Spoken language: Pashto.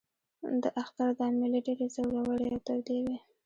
د اختر دا مېلې ډېرې زورورې او تودې وې.